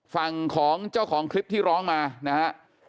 ฝั่งของเจ้าของคลิปที่ร้องมานะฮะ